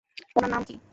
ওনার নাম কী?